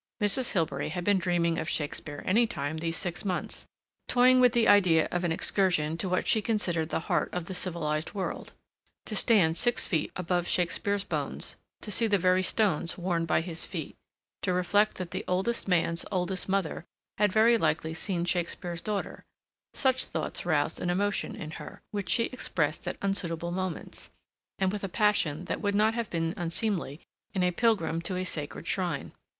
Mrs. Hilbery had been dreaming of Shakespeare any time these six months, toying with the idea of an excursion to what she considered the heart of the civilized world. To stand six feet above Shakespeare's bones, to see the very stones worn by his feet, to reflect that the oldest man's oldest mother had very likely seen Shakespeare's daughter—such thoughts roused an emotion in her, which she expressed at unsuitable moments, and with a passion that would not have been unseemly in a pilgrim to a sacred shrine.